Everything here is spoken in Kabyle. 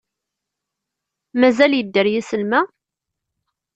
Mazal yedder yislem-a?